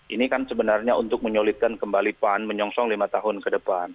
ini kan sebenarnya untuk menyulitkan kembali pan menyongsong lima tahun ke depan